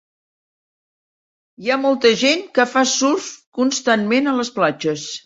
Hi ha molta gent que fa surf constantment a les platges.